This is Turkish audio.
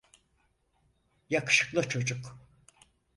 Yakışıklı çocuk.